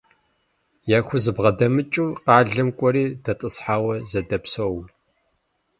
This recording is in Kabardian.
Яхузэбгъэдэмыкӏыу къалэм кӏуэри дэтӏысхьауэ зэдопсэу.